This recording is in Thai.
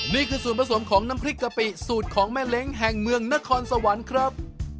นี่คือส่วนผสมของน้ำพริกกะปิสูตรของแม่เล้งแห่งเมืองนครสวรรค์ครับ